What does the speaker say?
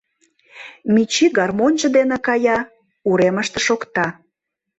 Мичи гармоньжо дене кая, уремыште шокта.